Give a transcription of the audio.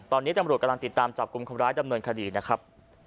ตอนนี้ตำรวจกำลังติดตามจับกลุ่มคนร้ายดำเนินคดีนะครับ